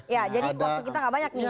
ya jadi waktu kita gak banyak nih